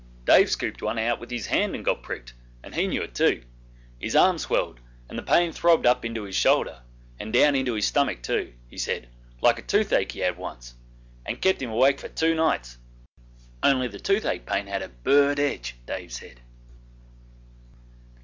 Dave scooped one out with his hand and got pricked, and he knew it too; his arm swelled, and the pain throbbed up into his shoulder, and down into his stomach too, he said, like a toothache he had once, and kept him awake for two nights only the toothache pain had a 'burred edge', Dave said.